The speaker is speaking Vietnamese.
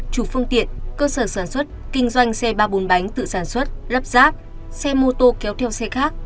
chủ phương tiện cơ sở sản xuất kinh doanh xe ba bồn bánh tự sản xuất lắp ráp xe mô tô kéo theo xe khác